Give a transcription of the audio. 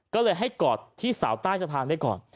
ก็เลยให้กอดที่สาวใต้สะพานไว้ก่อน